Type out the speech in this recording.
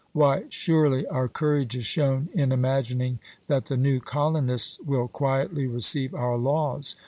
Why, surely our courage is shown in imagining that the new colonists will quietly receive our laws?